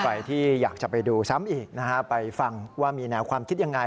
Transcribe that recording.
ใครที่อยากจะไปดูซ้ำอีกนะฮะไปฟังว่ามีแนวความคิดยังไง